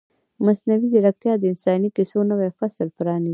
مصنوعي ځیرکتیا د انساني کیسې نوی فصل پرانیزي.